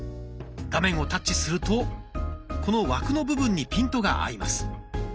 画面をタッチするとこの枠の部分にピントが合います。